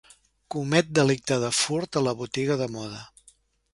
Comet delicte de furt a la botiga de moda.